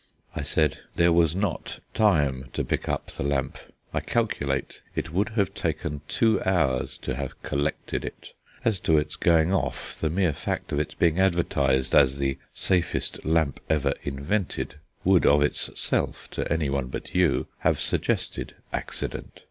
I said: "There was not time to pick up the lamp. I calculate it would have taken two hours to have collected it. As to its 'going off,' the mere fact of its being advertised as the safest lamp ever invented would of itself, to anyone but you, have suggested accident.